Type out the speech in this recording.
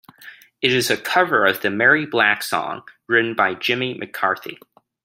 It is a cover of the Mary Black song, written by Jimmy MacCarthy.